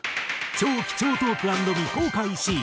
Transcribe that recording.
超貴重トーク＆未公開シーン。